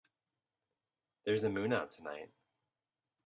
There's a moon out tonight.